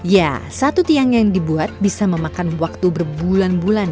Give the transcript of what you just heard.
ya satu tiang yang dibuat bisa memakan waktu berbulan bulan